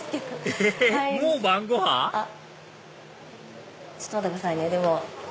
えっもう晩ごはん⁉ちょっと待ってくださいね。